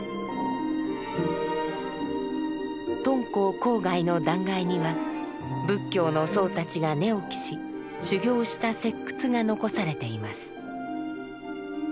敦煌郊外の断崖には仏教の僧たちが寝起きし修行した石窟が残されています。